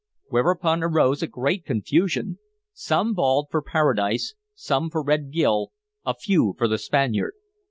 Whereupon arose a great confusion. Some bawled for Paradise, some for Red Gil, a few for the Spaniard.